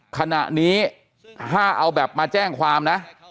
ขณะนี้ถ้าเอาแบบมาแจ้งความนะ